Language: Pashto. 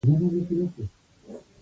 د بدن اوبه یې ووتلې.